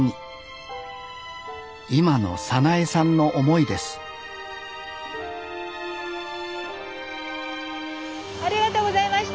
今の早苗さんの思いですありがとうございました。